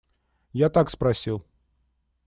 Я так спросил.